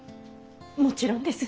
もちろんです。